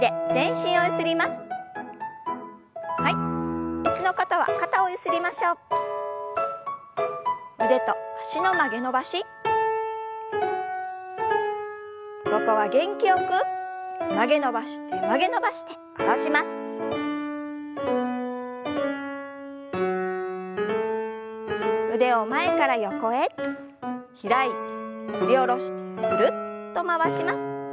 開いて振り下ろしてぐるっと回します。